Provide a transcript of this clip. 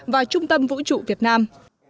và trung tâm vũ trụ việt nam